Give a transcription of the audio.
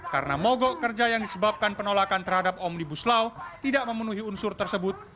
karena mogok kerja yang disebabkan penolakan terhadap omnibus law tidak memenuhi unsur tersebut